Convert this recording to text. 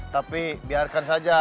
tapi biarkan saja